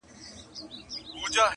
حکم د حدیث قرآن ګوره چي لا څه کیږي؛؛!